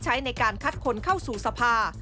ใช้ในการคัดคนเข้าสู่สภา